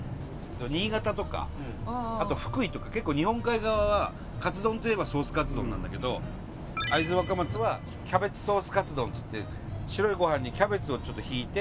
新潟とかあと福井とか結構日本海側はカツ丼といえばソースカツ丼なんだけど会津若松はキャベツソースカツ丼っていって白いご飯にキャベツをちょっと敷いて。